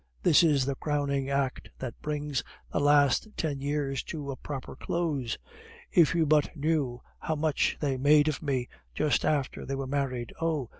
this is the crowning act that brings the last ten years to a proper close. If you but knew how much they made of me just after they were married. (Oh!